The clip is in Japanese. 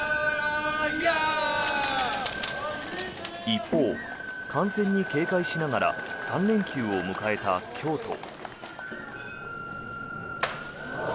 一方、感染に警戒しながら３連休を迎えた京都。